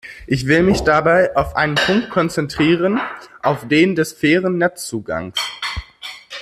Ich will mich dabei auf einen Punkt konzentrieren, auf den des fairen Netzzugangs.